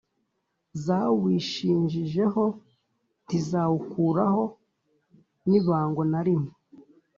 Zawishinjijeho ntizawukuraho n’ibango na limwe